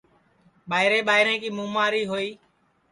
ٻائرے ٻائرے کی مُماری ہوئی